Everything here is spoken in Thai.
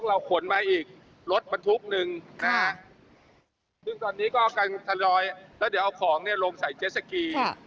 อันนี้ก็เอากันทะยอยเราเดี๋ยวเอาของลงใส่เจ๊สกี